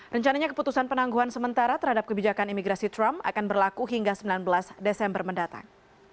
rencananya keputusan penangguhan sementara terhadap kebijakan imigrasi trump akan berlaku hingga sembilan belas desember mendatang